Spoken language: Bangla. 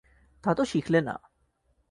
তা তো শিখলে না।